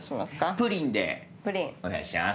プリンでお願いします。